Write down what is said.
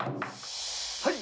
はい！